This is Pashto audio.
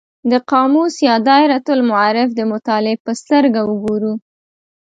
د قاموس یا دایرة المعارف د مطالعې په سترګه وګورو.